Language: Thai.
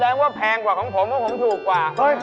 แสดงว่าแพงกว่าของผมเพราะผมถูกกว่า